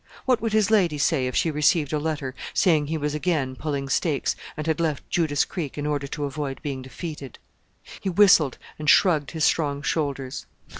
What would his lady say if she received a letter, saying he was again pulling stakes, and had left Judas Creek in order to avoid being defeated? He whistled, and shrugged his strong shoulders.